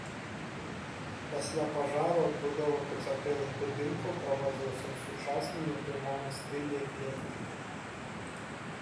Пасля пажару адбудова пацярпелых будынкаў праводзілася ў сучасным на той момант стылі эклектыкі.